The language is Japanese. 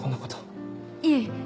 いえ。